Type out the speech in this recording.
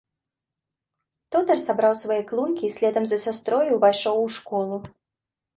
Тодар сабраў свае клункі і следам за сястрою увайшоў у школу.